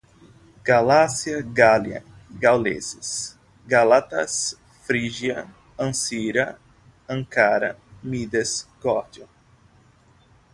Galácia, Gália, gauleses, gálatas, frígia, Ancira, Ancara, Midas, Górdio